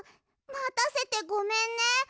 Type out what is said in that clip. またせてごめんね！